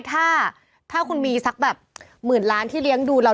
ถ้าคุณมีสักแบบหมื่นล้านที่เลี้ยงดูเรา